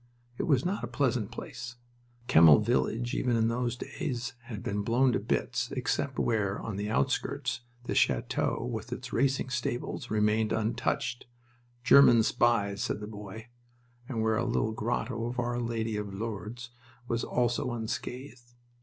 It was not a pleasant place. Kemmel village, even in those days, had been blown to bits, except where, on the outskirts, the chateau with its racing stables remained untouched "German spies!" said the boy and where a little grotto to Our Lady of Lourdes was also unscathed.